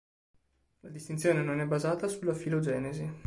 La distinzione non è basata sulla filogenesi.